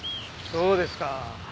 そうですか。